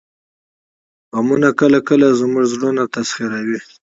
غمونه کله کله زموږ زړونه تسخیروي